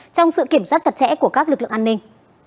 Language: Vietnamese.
trong sự kiểm soát chặt chẽ của các lực lượng an ninh